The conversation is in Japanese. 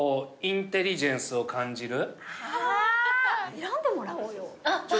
選んでもらおうよ。